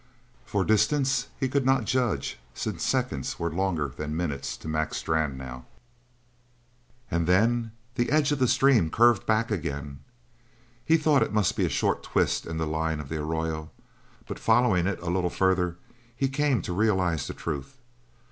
For a distance he could not judge, since seconds were longer than minutes to Mac Strann now. And then the edge of the stream curved back again. He thought it must be a short twist in the line of the arroyo, but following it a little further he came to realise the truth.